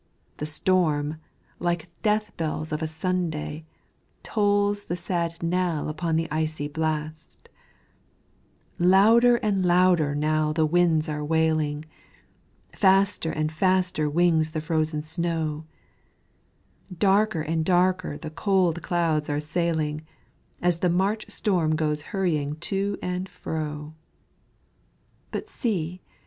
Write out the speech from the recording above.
the storm, like death bells of a Sunday, Tolls the sad knell upon the icy blast; Louder and louder now the winds are wailing, Faster and faster wings the frozen snow, Darker and darker the cold clouds are sailing, As the March storm goes hurrying to and fro. But see!